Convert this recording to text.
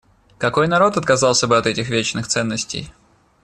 Какой народ отказался бы от этих вечных ценностей?